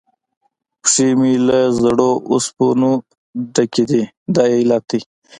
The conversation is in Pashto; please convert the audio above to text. پښې مې له زړو اوسپنو ډکې دي، دا یې علت دی.